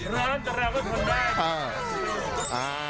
ร้อนแต่เราก็ทำได้